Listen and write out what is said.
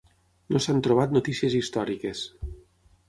No s'han trobat notícies històriques.